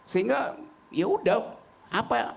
sehingga yaudah apa